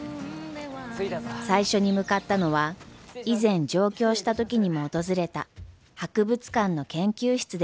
最初に向かったのは以前上京した時にも訪れた博物館の研究室です。